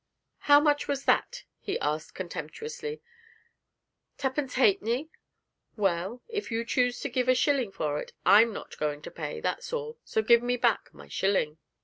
'How much was that?' he asked contemptuously, 'twopence halfpenny? Well, if you choose to give a shilling for it, I'm not going to pay, that's all. So just give me back my shilling!'